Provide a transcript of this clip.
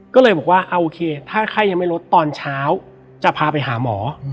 ก็เลยบอกว่าโอเคถ้าไข้ยังไม่ลดตอนเช้าจะพาไปหาหมอ